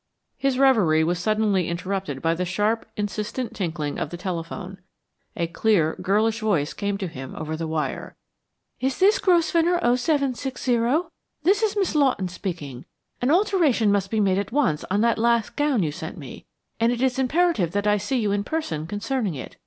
His reverie was suddenly interrupted by the sharp, insistent tinkling of the telephone; a clear, girlish voice came to him over the wire: "Is this Grosvenor 0760? This is Miss Lawton speaking. An alteration must be made at once in that last gown you sent me, and it is imperative that I see you in person concerning it.